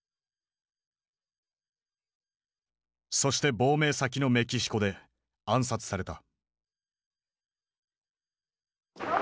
そして亡命先のメキシコで暗殺された。